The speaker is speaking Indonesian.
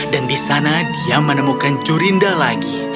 dan di sana dia menemukan jorinda lagi